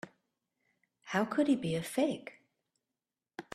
How could he be a fake?